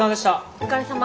お疲れさま。